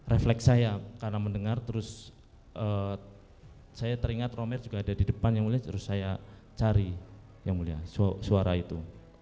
refleks saya karena mendengar terus saya teringat romer juga ada di depan yang mulia terus saya cari yang mulia suara itu